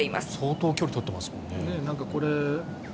相当、距離取ってますもんね。